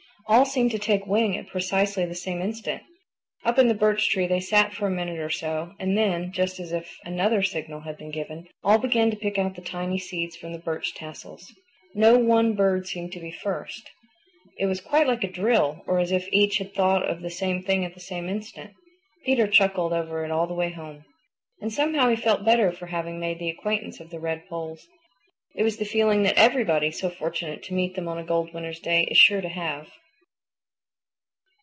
All seemed to take wing at precisely the same instant. Up in the birch tree they sat for a minute or so and then, just as if another signal had been given, all began to pick out the tiny seeds from the birch tassels. No one bird seemed to be first. It was quite like a drill, or as if each had thought of the same thing at the same instant. Peter chuckled over it all the way home. And somehow he felt better for having made the acquaintance of the Redpolls. It was the feeling that everybody so fortunate as to meet them on a gold winter's day is sure to have.